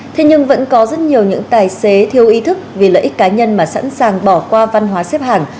thế nhưng vẫn có rất nhiều những tài xế thiếu ý thức vì lợi ích cá nhân mà sẵn sàng bỏ qua văn hóa xếp hàng